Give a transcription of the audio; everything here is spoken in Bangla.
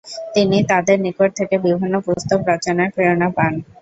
তিনি তাঁদের নিকট থেকে বিভিন্ন পুস্তক রচনার প্রেরণা পান।